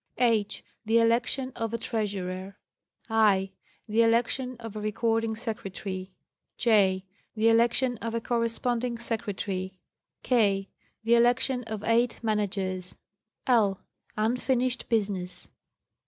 h. The election of a Treasurer. i. The election of a Recording Secretary. j. The election of a Corresponding Secretary. k. The election of eight Managers. _?. Unfinished business.